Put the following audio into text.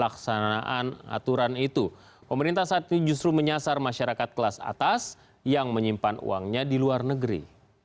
kami akan kembali